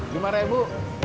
jum'at ya bu